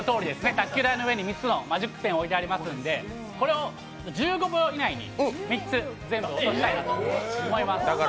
卓球台の上に３つのマジックペンを置いてありますのでこれを１５秒以内に３つ全部落としたいと思います。